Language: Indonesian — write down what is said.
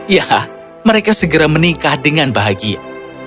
ya mereka segera menikah dengan bahagia